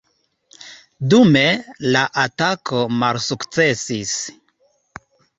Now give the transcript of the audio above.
Dume, la atako malsukcesis.